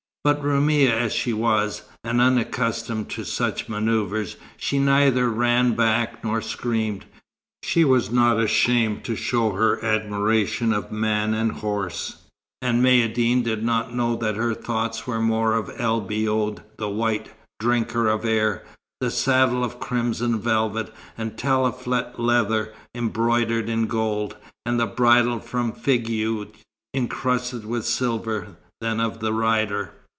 But Roumia as she was, and unaccustomed to such manoeuvres, she neither ran back nor screamed. She was not ashamed to show her admiration of man and horse, and Maïeddine did not know that her thoughts were more of El Biod the white, "drinker of air," the saddle of crimson velvet and tafilet leather embroidered in gold, and the bridle from Figuig, encrusted with silver, than of the rider.